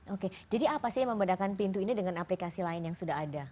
oke jadi apa sih yang membedakan pintu ini dengan aplikasi lain yang sudah ada